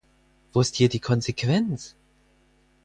Wo ist hier die Konsequenz?